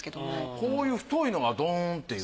こういう太いのがドーンっていう。